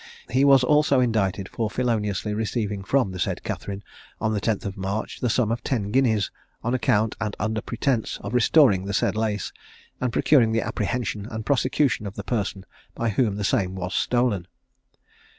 He was also indicted for feloniously receiving from the said Catherine, on the 10th of March, the sum of ten guineas, on account and under pretence of restoring the said lace, and procuring the apprehension and prosecution of the person by whom the same was stolen.